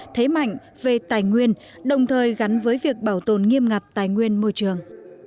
thế mạnh về tài nguyên đồng thời gắn với việc bảo tồn nghiêm ngặt tài nguyên môi trường